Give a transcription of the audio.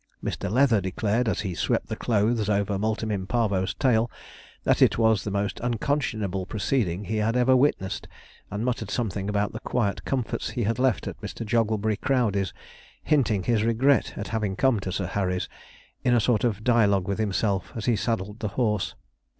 Mr. Leather declared, as he swept the clothes over Multum in Parvo's tail, that it was the most unconscionable proceeding he had ever witnessed; and muttered something about the quiet comforts he had left at Mr. Jogglebury Crowdey's, hinting his regret at having come to Sir Harry's, in a sort of dialogue with himself as he saddled the horse.